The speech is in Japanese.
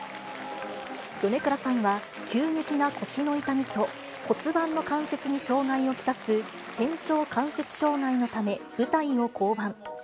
米倉さんは、急激な腰の痛みと、骨盤の関節に障害を来す仙腸関節障害のため、舞台を降板。